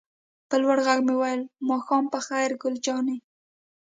په لوړ غږ مې وویل: ماښام په خیر ګل جانې.